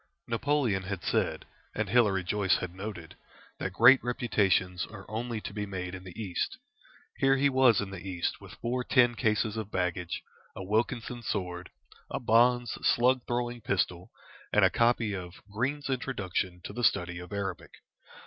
Napoleon had said, and Hilary Joyce had noted, that great reputations are only to be made in the East. Here he was in the East with four tin cases of baggage, a Wilkinson sword, a Bond's slug throwing pistol, and a copy of "Green's Introduction to the Study of Arabic."